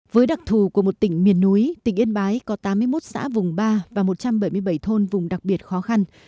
với đặc thù của một tỉnh miền núi tỉnh yên bái có tám mươi một xã vùng ba và một trăm bảy mươi bảy thôn vùng đặc biệt khó khăn